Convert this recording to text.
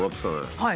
はい。